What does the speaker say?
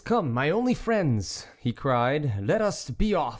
come, my only friends !" he cried, " let us be of